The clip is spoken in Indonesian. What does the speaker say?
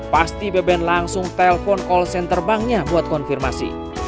pasti beben langsung telpon call center banknya buat konfirmasi